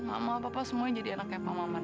mama papa semuanya jadi anaknya pak maman